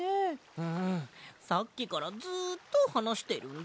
うんさっきからずっとはなしてるんだ。